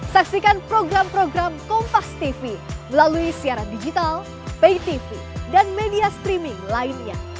saksikan program program kompastv melalui siaran digital paytv dan media streaming lainnya